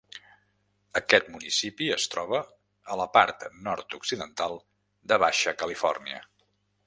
Aquest municipi es troba a la part nord-occidental de Baixa Califòrnia.